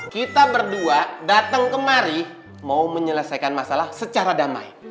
kita berdua datang kemari mau menyelesaikan masalah secara damai